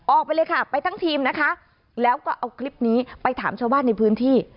ออกไปเลยค่ะไปทั้งทีมนะคะแล้วก็เอาคลิปนี้ไปถามชาวบ้านในพื้นที่